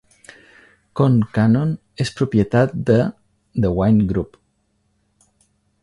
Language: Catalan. Concannon és propietat de The Wine Group.